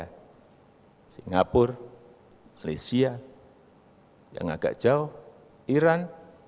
malaysia singapura malaysia yang agak jauh iran